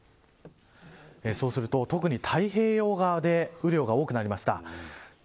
そうすると、特に太平洋側で雨量が多くなりました。